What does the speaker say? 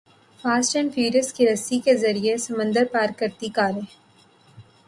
fast and furious کی رسی کے ذریعے سمندر پار کرتیں کاریں